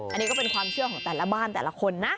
อันนี้ก็เป็นความเชื่อของแต่ละบ้านแต่ละคนนะ